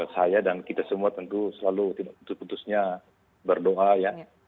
saya dan kita semua tentu selalu tidak putus putusnya berdoa ya